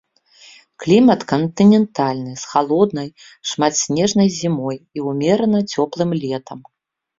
Клімат кантынентальны, з халоднай, шматснежнай зімой і ўмерана цёплым летам.